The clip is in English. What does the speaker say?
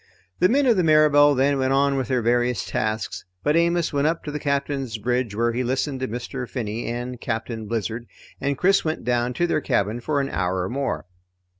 The men of the Mirabelle then went on with their various tasks, but Amos went up to the Captain's bridge where he listened to Mr. Finney and Captain Blizzard, and Chris went down to their cabin for an hour or more.